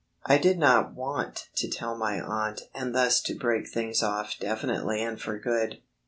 I did not want to tell my aunt and thus to break things off definitely and for good.